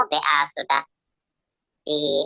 pa sudah diambil